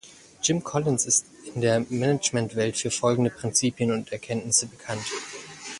Jim Collins ist in der Management-Welt für folgende Prinzipien und Erkenntnisse bekannt.